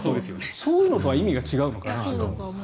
そういうのとは意味が違うのかなと。